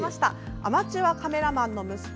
アマチュアカメラマンの息子。